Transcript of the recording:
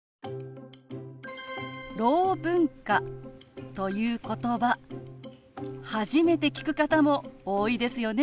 「ろう文化」ということば初めて聞く方も多いですよね。